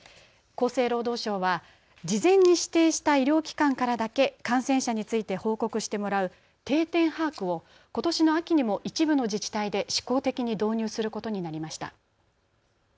厚生労働省は事前に指定した医療機関からだけ感染者について報告してもらう定点把握をことしの秋にも一部の自治体で試行的に導入することになりました。